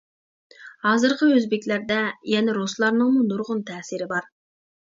ھازىرقى ئۆزبېكلەردە يەنە رۇسلارنىڭمۇ نۇرغۇن تەسىرى بار.